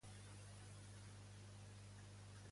Ja ha sortit de tot el sol?